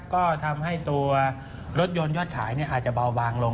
ก็ทำให้ตัวรถยนต์ยอดขายอาจจะเบาบางลง